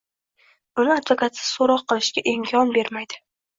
uni advokatsiz so‘roq qilishga imkon bermaydi